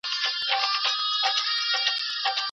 لاس لیکنه د ډیجیټل معلوماتو تر څنګ اړینه ده.